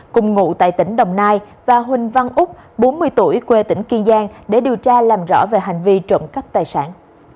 cùng ngụ tại tỉnh đồng nai và huỳnh văn úc bốn mươi tuổi quê tỉnh kiên giang để điều tra làm rõ về hành vi trộm cắp tài sản